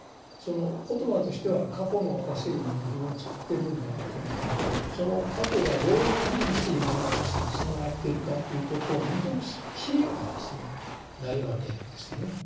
言葉としては過去の私が今の自分をつくってるんだろうけれどもその過去がどういうふうにして今の私につながってるかということを見通す智慧がですねないわけですね。